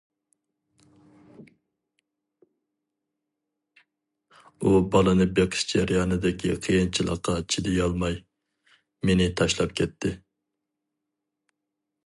ئۇ بالىنى بېقىش جەريانىدىكى قىيىنچىلىققا چىدىيالماي مېنى تاشلاپ كەتتى.